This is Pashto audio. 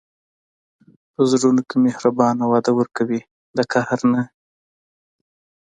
په زړونو کې مهرباني وده ورکوي، د قهر نه.